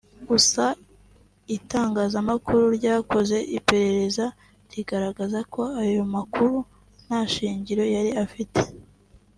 gusa itangazamakuru ryakoze iperereza rigaragaza ko ayo makuru nta shingiro yari afite